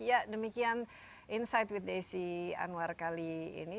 ya demikian insight with desi anwar kali ini